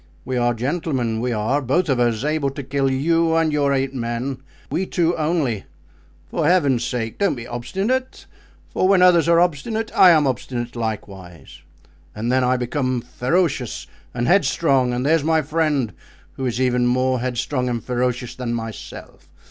We are gentlemen; we are, both of us, able to kill you and your eight men—we two only. For Heaven's sake don't be obstinate, for when others are obstinate I am obstinate likewise, and then I become ferocious and headstrong, and there's my friend, who is even more headstrong and ferocious than myself.